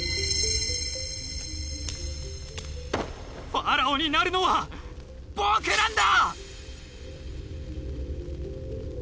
ファラオになるのは僕なんだ！